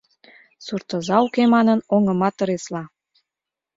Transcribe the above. Суртоза, уке манын, оҥымат ыресла.